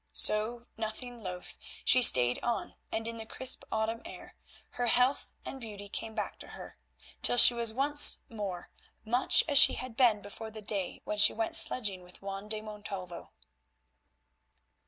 So, nothing loth, she stayed on, and in the crisp autumn air her health and beauty came back to her, till she was once more much as she had been before the day when she went sledging with Juan de Montalvo.